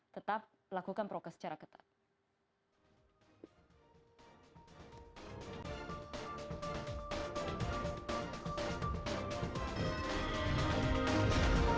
tetap lakukan progres secara ketat